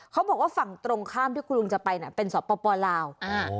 เขาบอกว่าฝั่งตรงข้ามที่คุณลุงจะไปน่ะเป็นสปลาวอ่า